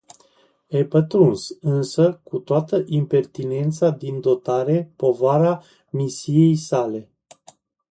E pătruns însă, cu toată impertinența din dotare, povara misiei sale.